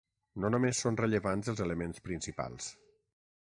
No només són rellevants els elements principals.